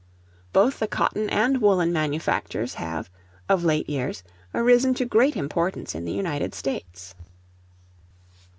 Both the cotton and woollen manufactures have, of late years, arisen to great importance in the United States.